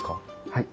はい。